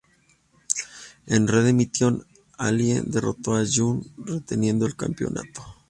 En Redemption, Allie derrotó a Yung, reteniendo el campeonato.